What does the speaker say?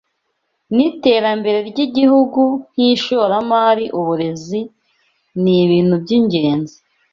niterambere ryigihugu Nkishoramari uburezi nibintu byingenzi